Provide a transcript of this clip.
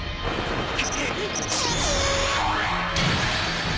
くっ。